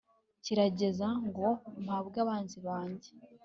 kirageze ngo mpabwe abanzi banjye